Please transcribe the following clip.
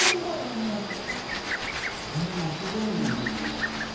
あっ鳥の鳴き声のイメージなんですか。